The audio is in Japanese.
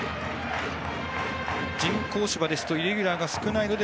人工芝ですとイレギュラーが少ないので。